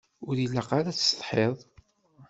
Ur ilaq ara ad tessetḥiḍ.